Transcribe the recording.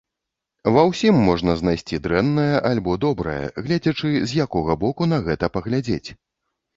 Ва ўсім можна знайсці дрэннае альбо добрае, гледзячы з якога боку на гэта паглядзець.